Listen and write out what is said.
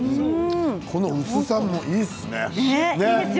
この薄さも、いいですね。